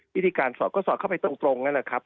วิธีการสอดก็สอดเข้าไปตรงนั่นแหละครับ